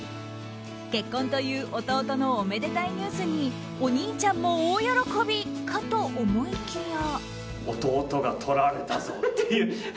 結婚という弟のおめでたいニュースにお兄ちゃんも大喜びかと思いきや。